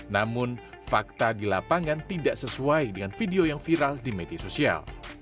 namun fakta di lapangan tidak sesuai dengan video yang viral di media sosial